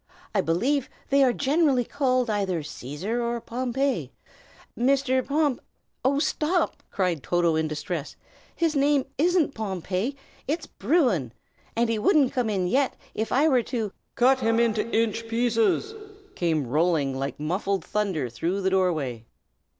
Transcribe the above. I believe they are generally called either Cæsar or Pompey. Mr. Pomp " "Oh, stop!" cried Toto, in distress. "His name isn't Pompey, it's Bruin. And he wouldn't come in yet if I were to " "Cut him into inch pieces!" came rolling like muffled thunder through the doorway.